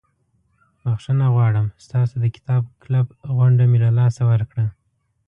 بخښنه غواړم ستاسو د کتاب کلب غونډه مې له لاسه ورکړه.